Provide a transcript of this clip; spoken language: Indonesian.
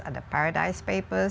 ada paradise papers